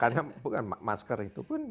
karena bukan masker itu pun